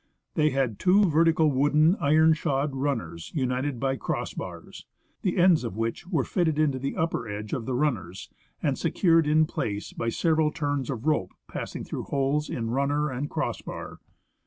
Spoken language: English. They had two vertical wooden, iron shod runners united by cross bars, the ends of which were fitted into the upper edge of the runners and secured in place by several turns of rope passing through holes in runner and cross bar.